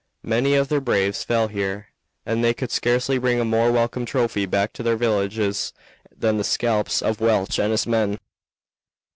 Many of their braves fell here, and they could scarcely bring a more welcome trophy back to their villages than the scalps of Welch and his men."